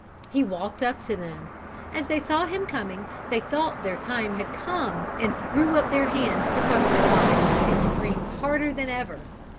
He walked up to them. As they saw him coming, they thought their time had come and threw up their hands to cover their eyes and screamed harder than ever.